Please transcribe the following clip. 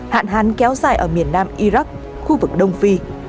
hạn hán kéo dài ở miền nam iraq khu vực đông phi